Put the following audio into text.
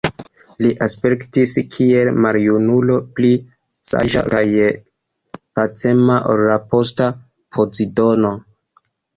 Li aspektis kiel maljunulo, pli saĝa kaj pacema ol la posta Pozidono.